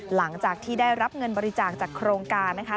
หลังจากที่ได้รับเงินบริจาคจากโครงการนะคะ